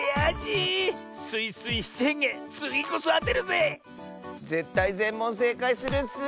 ぜったいぜんもんせいかいするッス！